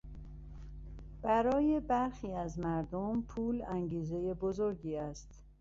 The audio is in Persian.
برای برخی از مردم، پول انگیزهی بزرگی است.